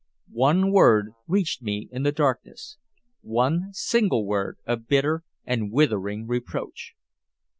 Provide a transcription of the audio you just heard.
One word reached me in the darkness one single word of bitter and withering reproach.